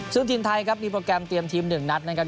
ซึ่งทีมไทยครับมีโปรแกรมเตรียมทีม๑นัดนะครับ